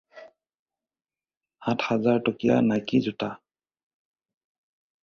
সাত হাজাৰ টকীয়া নাইকি জোতা।